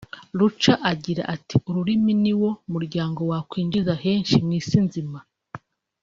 Luca agira ati “Ururimi ni wo muryango wakwinjiza henshi mu isi nzima